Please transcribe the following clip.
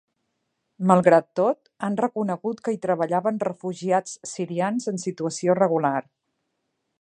Malgrat tot, han reconegut que hi treballaven refugiats sirians en situació regular.